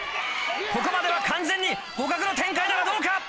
ここまでは完全に互角の展開だがどうか？